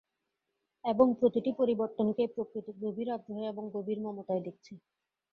এবং প্রতিটি পরিবর্তনকেই প্রকৃতি গভীর আগ্রহে এবং গভীর মমতায় দেখছে।